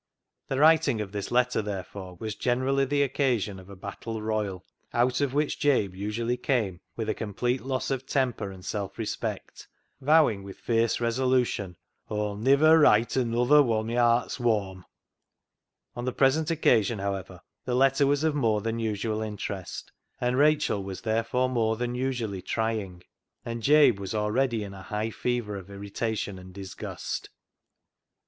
The writing of this letter, therefore, was generally the occasion of a battle royal, out of which Jabe usually came with a complete loss of temper and self respect, vowing with fierce resolution, " Aw'll niver write anuther woll my heart's warm." On the present occasion, however, the letter was of more than usual interest, and Rachel was therefore more than usually trying, and Jabe was already in a high fever of irritation and disgust.